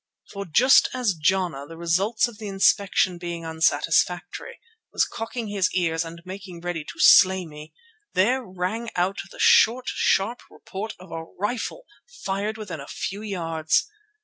For just as Jana, the results of the inspection being unsatisfactory, was cocking his ears and making ready to slay me, there rang out the short, sharp report of a rifle fired within a few yards.